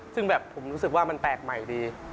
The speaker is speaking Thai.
ซึ่งแบบผมรู้สึกว่ามันแปลกใหม่ดี